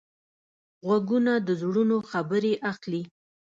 غوږونه د زړونو خبرې اخلي